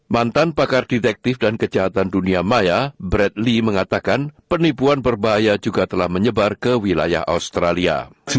mantan pakar detektif dan kejahatan dunia maya bradley mengatakan penipuan berbahaya juga telah menyebar ke wilayah australia